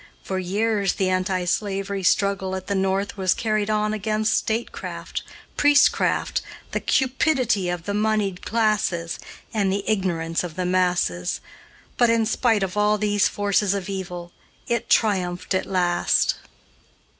For years the anti slavery struggle at the North was carried on against statecraft, priestcraft, the cupidity of the moneyed classes, and the ignorance of the masses, but, in spite of all these forces of evil, it triumphed at last.